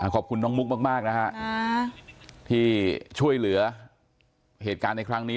ขอบคุณน้องมุกมากนะฮะที่ช่วยเหลือเหตุการณ์ในครั้งนี้